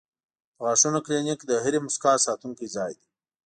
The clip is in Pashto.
د غاښونو کلینک د هرې موسکا ساتونکی ځای دی.